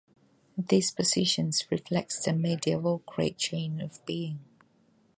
This positions reflects the medieval great chain of being.